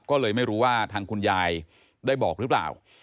ก็เลยไม่รู้ว่าทางคุณยายได้บอกหรือเปล่า